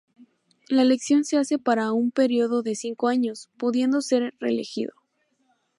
La elección se hace para un período de cinco años, pudiendo ser reelegido.